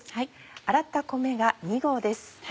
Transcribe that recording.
洗った米が２合です。